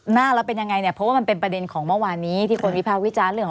หน้าแล้วเป็นยังไงเนี่ยเพราะว่ามันเป็นประเด็นของเมื่อวานนี้ที่คนวิพากษ์วิจารณ์เรื่องของ